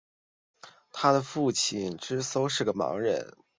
他的父亲瞽叟是个盲人。